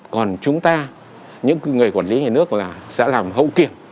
còn chúng ta những người quản lý nhà nước là sẽ làm hậu kiểm